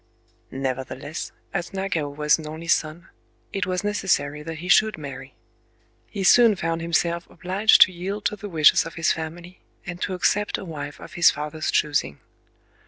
Nevertheless, as Nagao was an only son, it was necessary that he should marry. He soon found himself obliged to yield to the wishes of his family, and to accept a wife of his father's choosing.